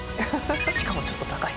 しかもちょっと高い。